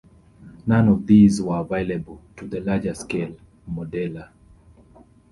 None of these were available to the larger scale modeler.